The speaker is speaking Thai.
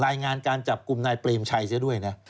รายงานการจับกลุ่มนายเปรมชัยเสียด้วยนะ